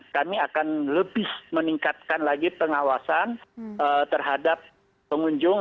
kami akan lebih meningkatkan lagi pengawasan terhadap pengunjung